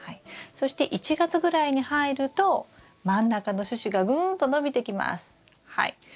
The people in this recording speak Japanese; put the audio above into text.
そして１月ぐらいに入ると真ん中の主枝がぐんと伸びてきます。